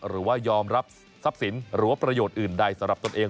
หรือว่ายอมรับทรัพย์สินหรือว่าประโยชน์อื่นใดสำหรับตนเอง